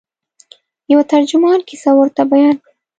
یوه ترجمان کیسه ورته بیان کړه.